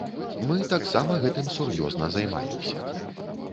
Мы таксама гэтым сур'ёзна займаемся.